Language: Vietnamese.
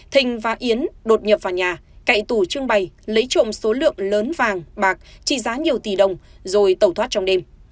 thình và yến đột nhập vào nhà cậy tủ trưng bày lấy trộm số lượng lớn vàng bạc trị giá nhiều tỷ đồng rồi tẩu thoát trong đêm